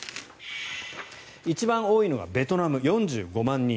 一番多いのがベトナム４５万人。